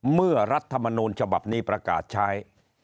เมื่อรัฐมนูญฉบับนี้ประกาศใช้